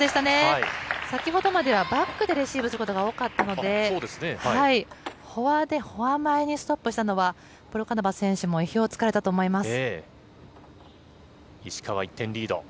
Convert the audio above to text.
先ほどまではバックでレシーブすることが多かったのでフォアでフォア前にストップしたのはポルカノバ選手も意表を突かれたと思います。